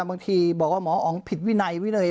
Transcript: บางทีบอกว่าหมออ๋องผิดวินัยวินัย